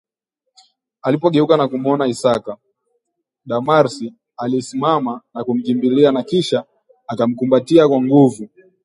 Alipogeuka na kumuona Isaka, Damaris alisimama na kumkimbilia, na kisha akamkumbatia kwa nguvu